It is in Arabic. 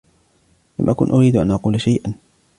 لم أكن أريد أن أقول شيئا.